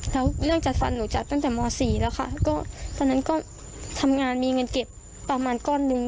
แล้วเรื่องจัดฟันหนูจัดตั้งแต่ม๔แล้วค่ะก็ตอนนั้นก็ทำงานมีเงินเก็บประมาณก้อนหนึ่ง